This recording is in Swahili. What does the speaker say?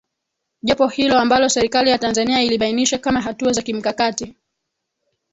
Jopo hilo ambalo Serikali ya Tanzania ilibainisha kama hatua za kimkakati